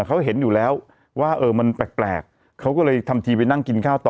เขาเห็นอยู่แล้วว่าเออมันแปลกเขาก็เลยทำทีไปนั่งกินข้าวต่อ